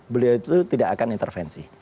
beliau itu tidak akan intervensi